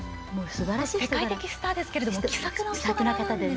世界的スターですけれども気さくな人柄なんですね。